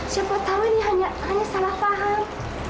siapa tahu dia hanya salah paham